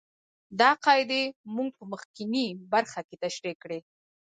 دا قاعدې موږ په مخکینۍ برخه کې تشرېح کړې.